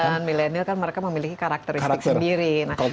dan milenial kan mereka memiliki karakteristik sendiri